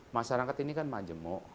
masyarakat ini kan majemuk